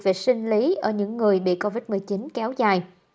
về sinh lý ở những người bị covid một mươi chín kéo dài